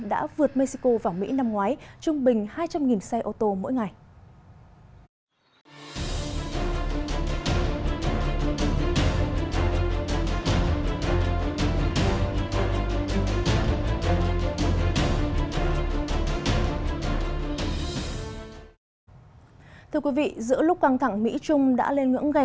đã vượt mexico vào mỹ năm ngoái trung bình hai trăm linh xe ô tô mỗi ngày